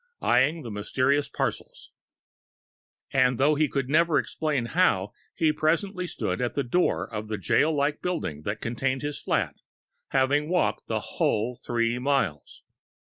eyeing the mysterious parcels.... And, though he never could explain how, he presently stood at the door of the jail like building that contained his flat, having walked the whole three miles!